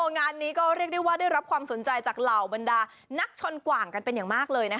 งานนี้ก็เรียกได้ว่าได้รับความสนใจจากเหล่าบรรดานักชนกว่างกันเป็นอย่างมากเลยนะคะ